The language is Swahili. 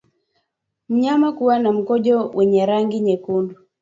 Mnyama kuwa na mkojo wenye rangi nyekundu